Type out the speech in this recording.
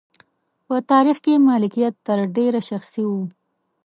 په تاریخ کې مالکیت تر ډېره شخصي و.